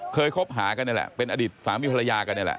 คบหากันนี่แหละเป็นอดีตสามีภรรยากันนี่แหละ